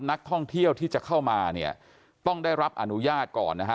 นักท่องเที่ยวที่จะเข้ามาเนี่ยต้องได้รับอนุญาตก่อนนะฮะ